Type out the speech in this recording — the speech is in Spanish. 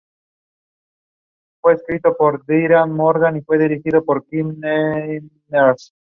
Ni en las situaciones más adversas puede ganar el derrotismo o pesimismo.